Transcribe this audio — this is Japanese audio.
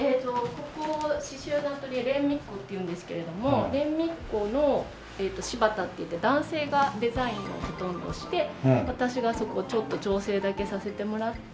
ここ刺繍のアトリエレンミッコっていうんですけれどもレンミッコの柴田っていって男性がデザインをほとんどして私がそこをちょっと調整だけさせてもらって。